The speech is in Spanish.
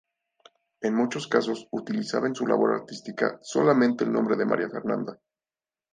En muchos casos utilizaba en su labor artística solamente el nombre de "María Fernanda".